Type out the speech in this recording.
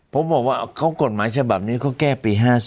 ผมบอกว่าเขากฎหมายฉบับนี้เขาแก้ปี๕๒